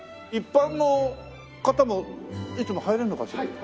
一般の方もいつも入れるのかしら？